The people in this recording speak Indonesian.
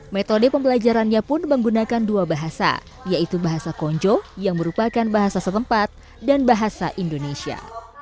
metode pembelajarannya pun menggunakan dua bahasa yaitu bahasa konjo yang merupakan bahasa setempat dan bahasa indonesia